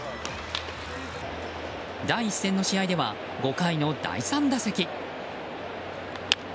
第１戦の試合では５回の第３打席。